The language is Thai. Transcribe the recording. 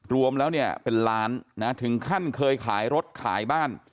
รวมแล้วเนี่ยเป็นล้านนะถึงขั้นเคยขายรถขายบ้าน